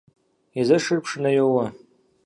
Езэшыр пшынэ йоуэ.